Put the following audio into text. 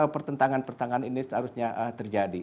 pertentangan pertentangan ini seharusnya terjadi